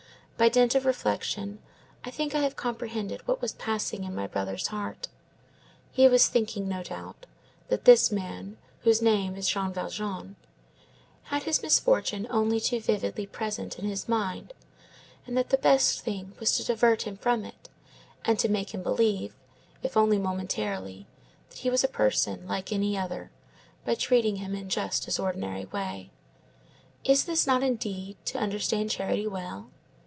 By dint of reflection, I think I have comprehended what was passing in my brother's heart. He was thinking, no doubt, that this man, whose name is Jean Valjean, had his misfortune only too vividly present in his mind; that the best thing was to divert him from it, and to make him believe, if only momentarily, that he was a person like any other, by treating him just in his ordinary way. Is not this indeed, to understand charity well?